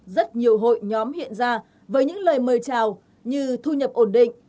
rất nhiều hội nhóm hiện ra với những lời mời chào như thu nhập ổn định